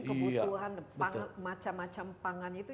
kebutuhan macam macam pangan itu